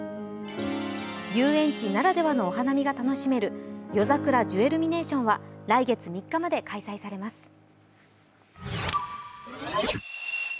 遊園地ならではのお花見が楽しめる夜桜ジュエルミネーションは来月３日まで開催されます。